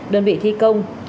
đơn vị thi công